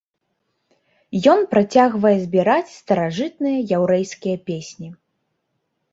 Ён працягвае збіраць старажытныя яўрэйскія песні.